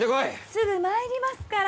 すぐ参りますから。